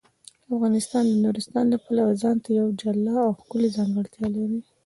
افغانستان د نورستان د پلوه ځانته یوه جلا او ښکلې ځانګړتیا لري.